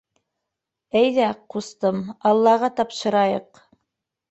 - Әйҙә, ҡустым, Аллаға тапшырайыҡ.